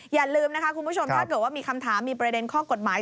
อย่าลืมนะคะคุณผู้ชมถ้าเกิดว่ามีคำถามมีประเด็นข้อกฎหมาย